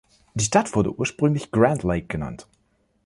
Die Stadt wurde ursprünglich Grand Lake genannt.